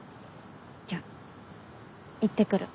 じゃあ行って来る。